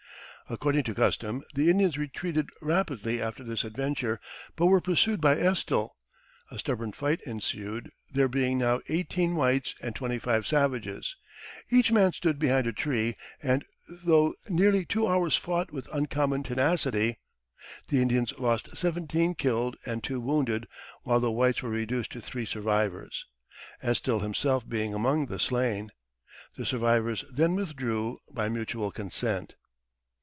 According to custom, the Indians retreated rapidly after this adventure, but were pursued by Estill. A stubborn fight ensued, there being now eighteen whites and twenty five savages. Each man stood behind a tree, and through nearly two hours fought with uncommon tenacity. The Indians lost seventeen killed and two wounded, while the whites were reduced to three survivors, Estill himself being among the slain. The survivors then withdrew by mutual consent.